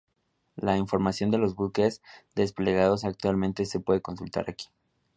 La información de los buques desplegados actualmente se puede consultar aquí.